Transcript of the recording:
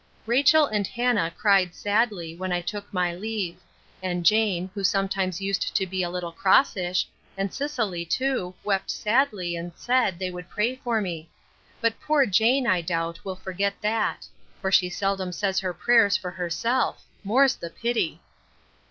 Rachel and Hannah cried sadly, when I took my leave; and Jane, who sometimes used to be a little crossish, and Cicely too, wept sadly, and said, they would pray for me; but poor Jane, I doubt, will forget that; for she seldom says her prayers for herself: More's the pity!